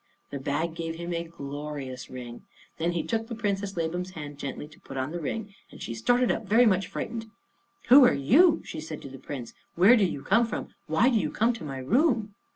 The bag gave him a glorious ring. Then he took the Princess Labam's hand gently to put on the ring, and she started up very much frightened. "Who are you?" she said to the Prince. "Where do you come from? Why do you come to my room?"